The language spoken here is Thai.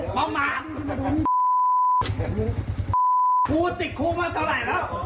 กูติดครูมาเท่าไรแล้ว